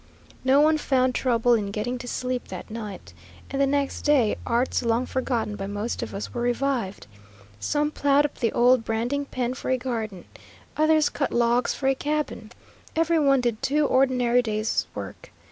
No one found trouble in getting to sleep that night, and the next day arts long forgotten by most of us were revived. Some plowed up the old branding pen for a garden. Others cut logs for a cabin. Every one did two ordinary days' work.